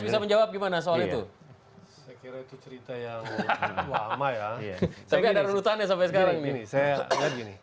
tapi ada renutannya sampai sekarang